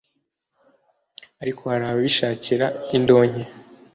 ariko hari abishakira indonke.